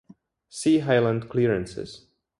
See Highland Clearances.